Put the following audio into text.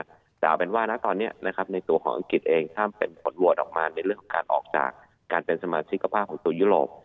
แต่เอาเป็นว่านะตอนนี้นะครับในตัวของอังกฤษเองถ้าเป็นผลโหวตออกมาในเรื่องของการออกจากการเป็นสมาชิกภาพของตัวยุโรป